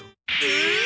え！？